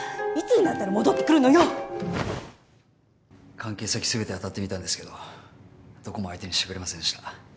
関係先全て当たってみたんですけどどこも相手にしてくれませんでした。